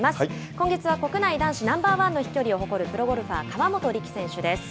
今月は国内男子ナンバーワンの飛距離を誇るプロゴルファー、河本力選手です。